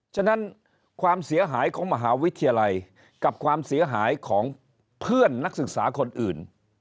ฉะนั้นความเสียหายของมหาวิทยาลัยกับความเสียหายของเพื่อนนักศึกษาคนอื่น